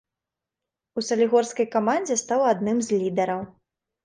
У салігорскай камандзе стаў адным з лідараў.